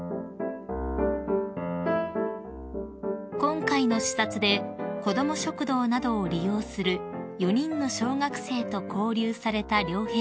［今回の視察で子ども食堂などを利用する４人の小学生と交流された両陛下］